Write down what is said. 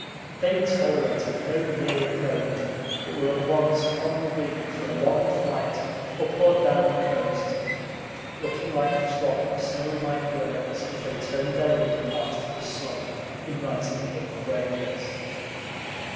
They tolerated no near approach, but were at once on the wing for a long flight up or down the coast, looking like a flock of snow white birds as they turned their under parts to the sun in rising above the breakers.